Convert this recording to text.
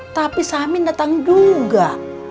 tapi samin datang juga